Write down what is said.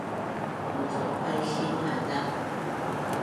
Mucuqaisin azak